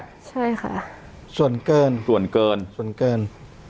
ใช่ค่ะส่วนเกินส่วนเกินส่วนเกิน